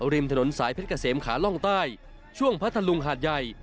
ริมถนนสายเพชรเกษมขาล่องใต้ช่วงพัทธลุงหาดใหญ่